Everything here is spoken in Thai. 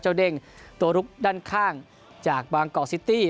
เด้งตัวลุกด้านข้างจากบางกอกซิตี้